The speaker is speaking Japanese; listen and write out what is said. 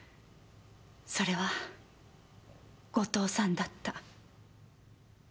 それは後藤さんだった。